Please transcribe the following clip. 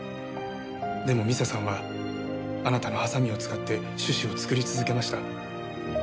でも未紗さんはあなたのハサミを使ってシュシュを作り続けました。